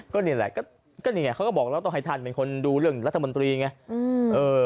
ก็นี่แหละก็นี่ไงต้องให้ท่านเป็นคนดูเรื่องรัฐบนตรีไง